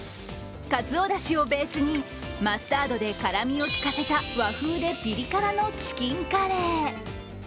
かつおだしをベースにマスタードで辛みを利かせた和風でピリ辛のチキンカレー。